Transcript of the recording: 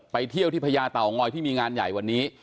เที่ยวที่พญาเต่างอยที่มีงานใหญ่วันนี้